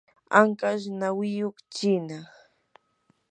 anqas nawiyuq chiina.